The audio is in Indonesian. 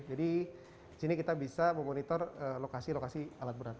jadi di sini kita bisa memonitor lokasi lokasi alat berat